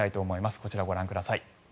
こちらをご覧ください。